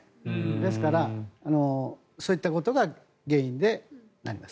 ですから、そういったことが原因でなります。